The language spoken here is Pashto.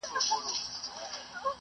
زه اوس د سبا لپاره د ليکلو تمرين کوم،